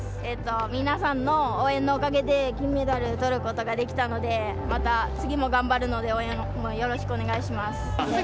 皆さんの応援のおかげで金メダルを取ることができたので、また次も頑張るので、応援よろしくお願いします。